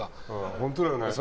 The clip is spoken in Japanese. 本当だよね。